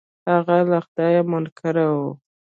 هغه له خدايه منکر و.